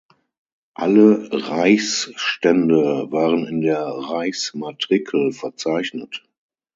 Alle Reichsstände waren in der Reichsmatrikel verzeichnet.